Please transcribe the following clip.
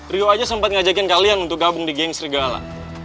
rio aja sempat ngajakin kalian untuk gabung di gang serigala